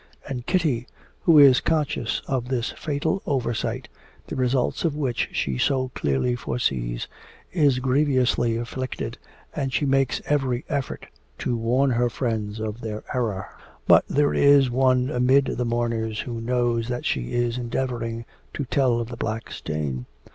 And Kitty, who is conscious of this fatal oversight, the results of which she so clearly foresees, is grievously afflicted, and she makes every effort to warn her friends of their error. But there is one amid the mourners who knows that she is endeavouring to tell of the black stain.